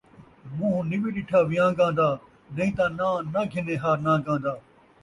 مون٘ہہ نوی ݙٹھا وِیان٘گاں دا، نئیں تاں ناں ناں گھنّیں ہا نان٘گاں دا